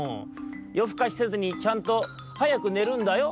よふかしせずにちゃんとはやくねるんだよ」。